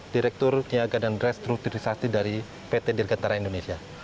direktur niaga dan restrukturisasi dari pt dirgantara indonesia